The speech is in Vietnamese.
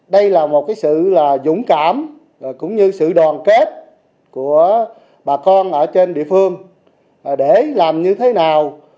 đây là một sự dũng cảm cũng như sự đoàn kết của bà con ở trên địa phương để làm như thế nào